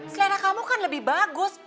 selera kamu kan lebih bagus